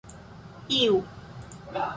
iu